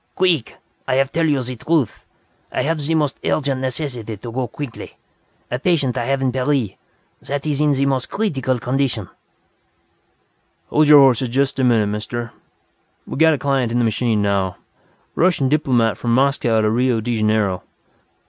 "Queek! I have tell you zee truth! I have zee most urgent necessity to go queekly. A patient I have in Paree, zat ees in zee most creetical condition!" "Hold your horses just a minute, Mister. We got a client in the machine now. Russian diplomat from Moscow to Rio de Janeiro....